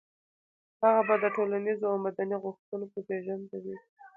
هغه به د ټولنيزو او مدني غوښتنو زېږنده وي.